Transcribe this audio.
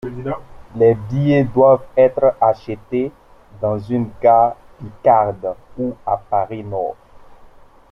Les billets doivent être achetés dans une gare picarde ou à Paris-Nord.